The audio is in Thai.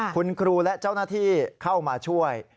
คุณครูและเจ้าหน้าที่เข้ามาช่วย